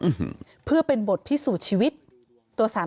มีเรื่องอะไรมาคุยกันรับได้ทุกอย่าง